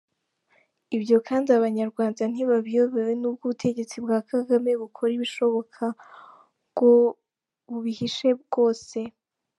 Ibyo kandi abanyarwanda ntibabiyobewe, n’ubwo ubutegetsi bwa Kagame bukora ibishoboka ngo bubihishe bwose.